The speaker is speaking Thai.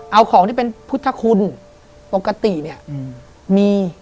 เอาของที่เป็นพุทธคุณปกติเนี่ยมี